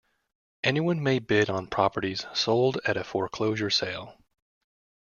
Anyone may bid on properties sold at a foreclosure sale.